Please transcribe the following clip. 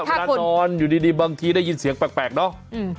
เวลานอนอยู่ดีบางทีได้ยินเสียงแปลกเนาะ